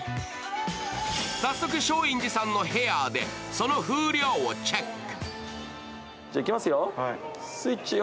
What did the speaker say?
さっそく松陰寺さんのヘアーでその風量をチェック。